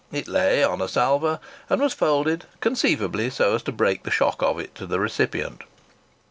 It lay on a salver and was folded, conceivably so as to break the shock of it to the recipient.